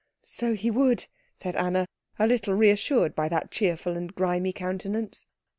"So he would," said Anna, a little reassured by that cheerful and grimy countenance.